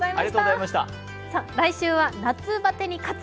来週は夏バテに勝つ！